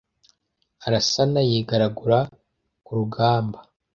Arasana yigaragura ku rugamba